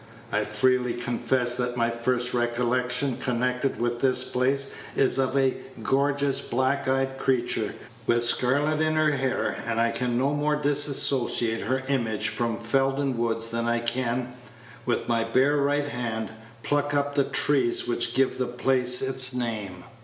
"I freely confess that my first recollection connected with this place is of a gorgeous black eyed creature, with scarlet in her hair; and I can no more disassociate her image from Felden Woods than I can, with my bare right hand, pluck up the trees which give the place its name.